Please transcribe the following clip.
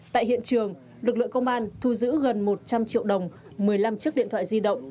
tại hiện trường lực lượng công an thu giữ gần một trăm linh triệu đồng một mươi năm chiếc điện thoại di động